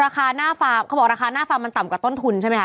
เขาบอกว่าราคาหน้าฟาร์มมันต่ำกว่าต้นทุนใช่ไหมคะ